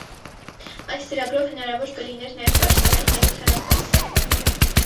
Այս ծրագրով հնարավոր կլիներ նաև պաշտպանել հայոց հարավային սահմանները։